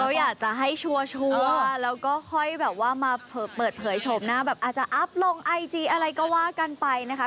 เขาอยากจะให้ชัวร์แล้วก็ค่อยแบบว่ามาเปิดเผยโฉมหน้าแบบอาจจะอัพลงไอจีอะไรก็ว่ากันไปนะคะ